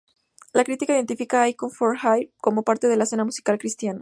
La crítica identifica a Icon For Hire como parte de la escena musical cristiana.